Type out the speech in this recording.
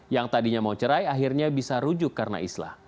yang tadinya mau cerai akhirnya bisa rujuk karena islah